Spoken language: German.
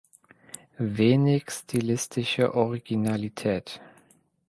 Wenig stilistische Originalität.